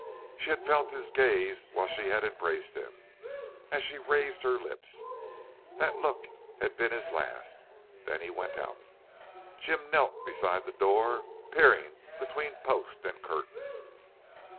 She had felt his gaze while she had embraced him, as she raised her lips. That look had been his last. Then he went out. Jim knelt beside the door, peering between post and curtain.